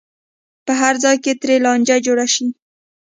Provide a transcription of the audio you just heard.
په هر ځای کې ترې لانجه جوړه شي.